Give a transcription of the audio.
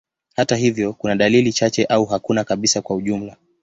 Hata hivyo, kuna dalili chache au hakuna kabisa kwa ujumla.